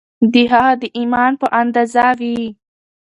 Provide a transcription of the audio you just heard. د هغه د ایمان په اندازه وي